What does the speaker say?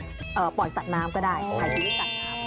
อย่างแรกเลยก็คือการทำบุญเกี่ยวกับเรื่องของพวกการเงินโชคลาภ